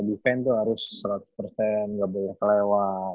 defense tuh harus seratus gak boleh kelewat